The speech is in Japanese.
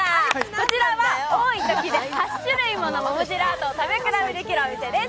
こちらは多いときで８種類もの桃ジェラートを食べ比べできるお店です。